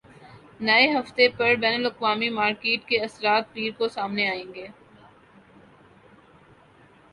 نئے ہفتے پر بین الاقوامی مارکیٹ کے اثرات پیر کو سامنے آئیں گے